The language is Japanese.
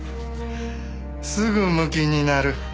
すぐムキになる。